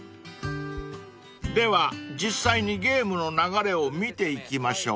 ［では実際にゲームの流れを見ていきましょう］